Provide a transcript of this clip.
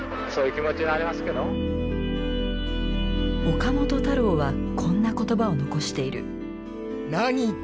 岡本太郎はこんな言葉を残している。